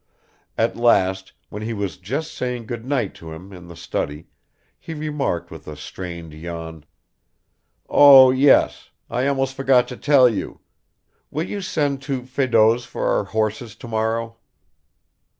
At last when he was just saying good night to him in the study, he remarked with a strained yawn: "Oh yes ... I almost forgot to tell you will you send to Fedot's for our horses tomorrow?"